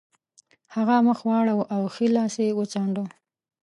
هغه مخ واړاوه او ښی لاس یې وڅانډه